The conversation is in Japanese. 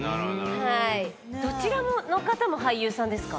どちらの方も俳優さんですか？